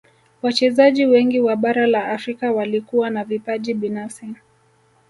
wachezaji wengi wa bara la afrika walikuwa na vipaji binafsi